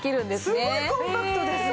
すごいコンパクトですね。